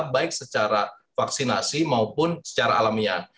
baik secara vaksinasi maupun secara alamiah